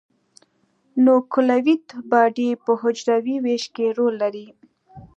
نوکلوئید باډي په حجروي ویش کې رول لري.